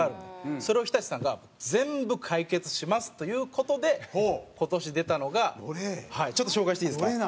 それを、日立さんが全部解決しますという事で今年、出たのがちょっと、紹介していいですか？